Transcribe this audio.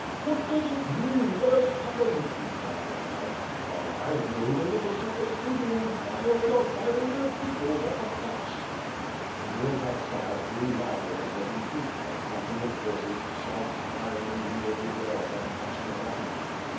"What does it mean? What has happened?" he cried aloud. "Ah, I know, they want to set the stable on fire and are firing their pistols at the thatch/^ WITH FIRE AND SWORD. 495 The noise outside grew louder and was increased by tramp ing of horses, shouts, firing, mingled with yells and clashing of iron.